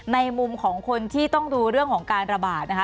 ในมุมของคนที่ต้องดูเรื่องของการระบาดนะคะ